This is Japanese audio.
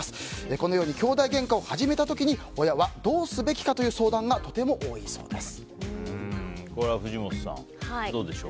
このようにきょうだいゲンカを始めた時親はどうすべきかという相談がこれは藤本さんどうでしょう。